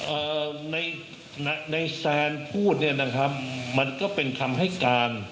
เอ่อในในแซนพูดเนี่ยนะครับมันก็เป็นคำให้การ